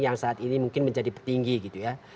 yang saat ini mungkin menjadi petinggi gitu ya